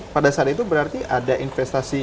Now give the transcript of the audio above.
pada saat itu berarti ada investasi